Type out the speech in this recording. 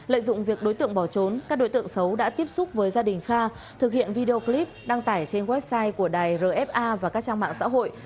lợi dụng việc đối tượng bỏ trốn các đối tượng xấu đã tiếp xúc với gia đình kha thực hiện video clip đăng tải trên website của đài rfa và các trang mạng xã hội